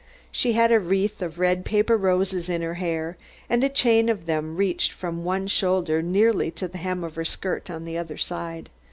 She had a wreath of red paper roses in her hair and a chain of them reached from one shoulder nearly to the hem of her skirt on the other side.